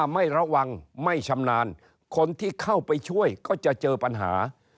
ไม่ชำนาญคนที่เข้าไปช่วยก็จะเจอปัญหา